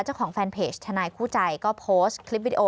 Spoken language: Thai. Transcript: เจ้าของแฟนเพจทนายคู่ใจก็โพสต์คลิปวิดีโอ